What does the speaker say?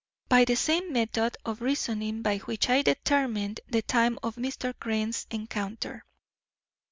By the same method of reasoning by which I determined the time of Mr. Crane's encounter.